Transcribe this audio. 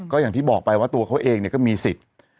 ก็อย่างที่บอกไปว่าตัวเขาเองก็มีสิทธิ์